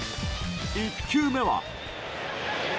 １球目は。